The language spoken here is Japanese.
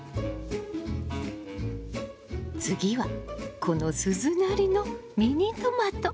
次はこの鈴なりのミニトマト！